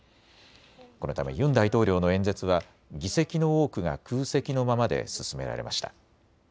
このためユン大統領の演説は議席の多くが空席のままで進められました。